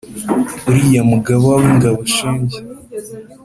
uriya mugaba w'ingaboshenge